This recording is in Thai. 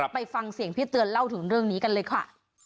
ไปฟังเสียงพี่เตือนเล่าถึงเรื่องนี้กันเลยค่ะ